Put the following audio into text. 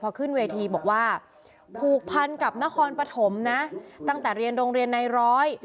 พอขึ้นเวทีบอกว่าผูกพันกับนครปฐมนะตั้งแต่เรียนโรงเรียนในร้อย